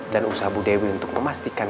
dan usaha bu dewi untuk memastikan